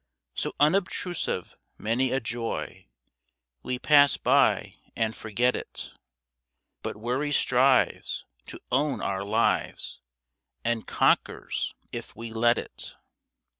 So unobtrusive many a joy We pass by and forget it, But worry strives to own our lives, And conquers if we let it.